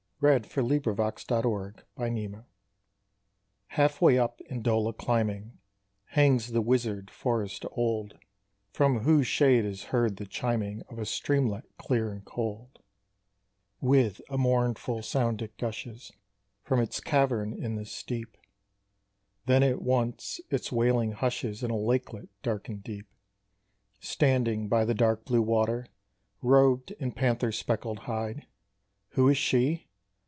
_ THE INCANTATION. Half way up Indoda climbing, Hangs the wizard forest old, From whose shade is heard the chiming Of a streamlet clear and cold: With a mournful sound it gushes From its cavern in the steep; Then at once its wailing hushes In a lakelet dark and deep. Standing by the dark blue water, Robed in panther's speckled hide, Who is she?